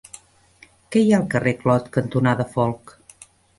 Què hi ha al carrer Clot cantonada Folc?